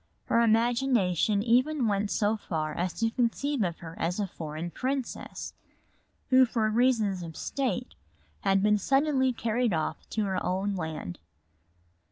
Her imagination even went so far as to conceive of her as a foreign princess, who for reasons of state had been suddenly carried off to her own land.